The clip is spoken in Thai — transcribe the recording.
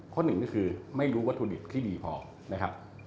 หนึ่งก็คือไม่รู้วัตถุดิบที่ดีพอนะครับ